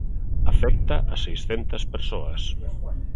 Afecta a seiscentas persoas.